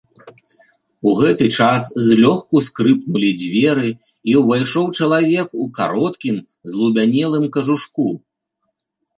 У гэты час злёгку скрыпнулі дзверы і ўвайшоў чалавек у кароткім злубянелым кажушку.